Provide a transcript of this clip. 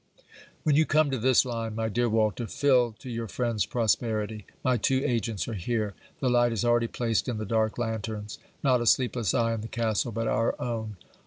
When you come to this line, my dear Walter, fill to your friend's prosperity. My two agents are here. The light is already placed in the dark lanterns. Not a sleepless eye in the castle but our own.